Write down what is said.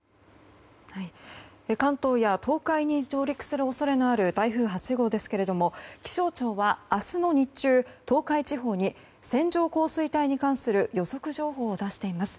関東や東海に上陸する恐れがある台風８号ですけれども気象庁は明日の日中、東海地方に線状降水帯に関する予測情報を出しています。